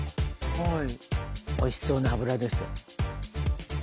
おいしそうなアブラですよ。